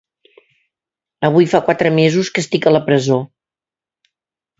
Avui fa quatre mesos que estic a la presó.